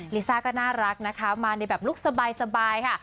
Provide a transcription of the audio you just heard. ลิซ่าก็น่ารักนะคะมาในแบบลุคสบายค่ะ